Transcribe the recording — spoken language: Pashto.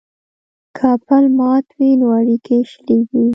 که پل مات وي نو اړیکې شلیږي.